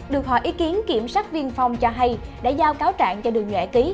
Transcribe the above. được hỏi ý kiến kiểm sát viên phòng cho hay đã giao cáo trạng cho đường nghệ ký